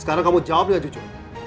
sekarang kamu jawab ya jujur